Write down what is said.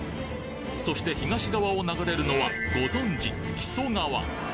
そして東側を流れるのはご存じ木曽川